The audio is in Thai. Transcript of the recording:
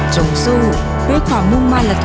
จงสู้ด้วยความมุ่งมั่นและทุ่มเพล